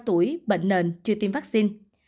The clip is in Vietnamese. tuổi bệnh nền chưa tiêm vaccine